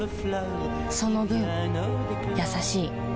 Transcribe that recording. その分優しい